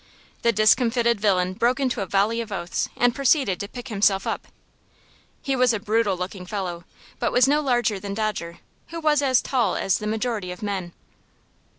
The discomfited villain broke into a volley of oaths, and proceeded to pick himself up. He was a brutal looking fellow, but was no larger than Dodger, who was as tall as the majority of men.